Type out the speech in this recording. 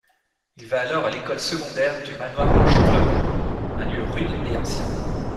Il va alors à l'école secondaire du Manoire Ruckholt, un lieu rude et ancien.